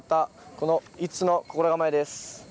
この５つの心構えです。